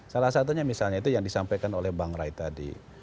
salah satunya misalnya itu yang disampaikan oleh bang ray tadi